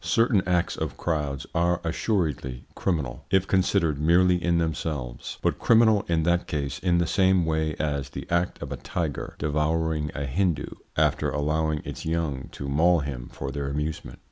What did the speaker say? Certain acts of crowds are assuredly criminal, if considered merely in themselves, but criminal in that case in the same way as the act of a tiger devouring a Hindoo, after allowing its young to maul him for their amusement.